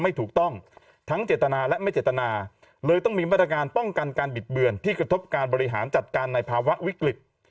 ไม่ถูกต้องทั้งเจตนาและไม่เจตนาเลยต้องมีมาตรการป้องกันการบิดเบือนที่กระทบการบริหารจัดการในภาวะวิกฤต